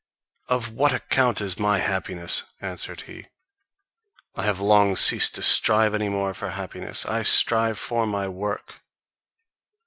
"Of what account is my happiness!" answered he, "I have long ceased to strive any more for happiness, I strive for my work."